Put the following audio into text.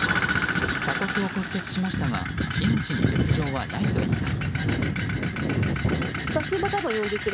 鎖骨を骨折しましたが命に別条はないといいます。